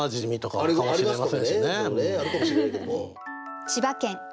あるかもしれないけども。